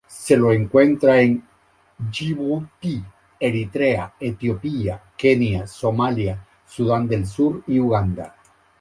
Se lo encuentra en Djibouti, Eritrea, Etiopía, Kenia, Somalia, Sudán del Sur y Uganda.